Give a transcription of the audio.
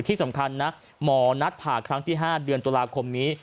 ที่สำคัญนะหมอนัดผ่าครั้งที่๕เดือนตุลาคมนี้